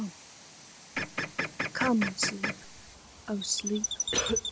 To Sleep COME, Sleep; O Sleep!